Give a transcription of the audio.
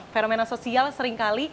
fenomena sosial seringkali